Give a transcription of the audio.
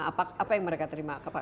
apa yang mereka terima